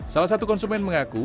salah satu konsumen mengaku